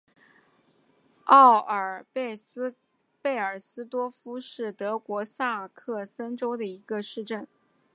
奥尔贝尔斯多夫是德国萨克森州的一个市镇。